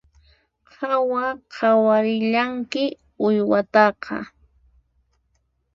Qhawa qhawarillanki uywataqa